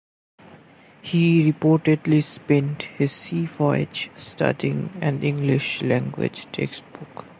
He reportedly spent his sea voyage studying an English language textbook.